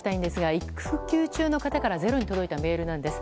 育休中の方から「ｚｅｒｏ」に届いたメールなんです。